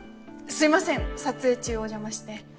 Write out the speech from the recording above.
すいません撮影中お邪魔して。